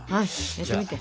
やってみて！